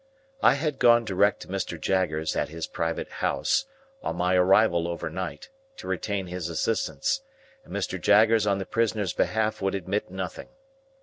I had gone direct to Mr. Jaggers at his private house, on my arrival over night, to retain his assistance, and Mr. Jaggers on the prisoner's behalf would admit nothing.